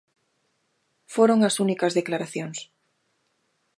Foron as únicas declaracións.